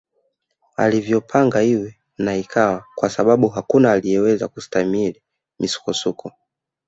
Alivyopanga iwe na ikawa kwasababu hakuna anayeweza kustahimili misukosuko